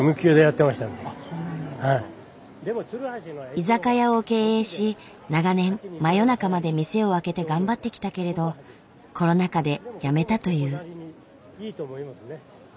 居酒屋を経営し長年真夜中まで店を開けて頑張ってきたけれどコロナ禍でやめたという。